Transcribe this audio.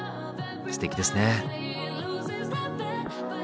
すてきですね。